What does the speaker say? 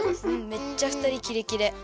めっちゃふたりキレキレ。